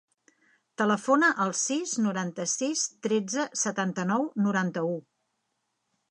Telefona al sis, noranta-sis, tretze, setanta-nou, noranta-u.